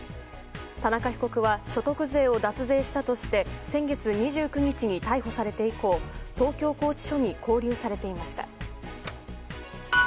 田中被告は所得税を脱税したとして先月２９日に逮捕されて以降東京拘置所に勾留されていました。